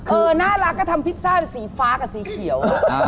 น่ารักก็ทำพิซซ่าเป็นสีฟ้ากับสีเขียว